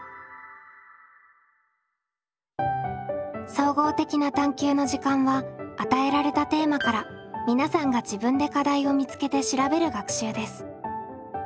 「総合的な探究の時間」は与えられたテーマから皆さんが自分で課題を見つけて調べる学習です。